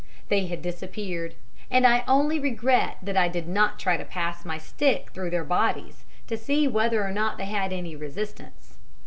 They had disappeared, and I only regret that I did not try to pass my stick right through their bodies, to see whether or not they had any resistance.